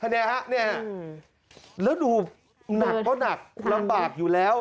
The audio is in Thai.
ถ้าแน่นี่แล้วดูหนักก็หนักลำบากอยู่แล้ว